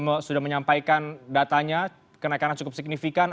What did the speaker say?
mbak andi sudah menyampaikan datanya kenaikan cukup signifikan